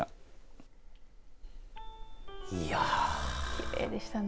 きれいでしたね。